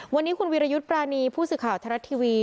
วันนี้คุณวิรยุทธ์ปรานีผู้สื่อข่าวไทยรัฐทีวี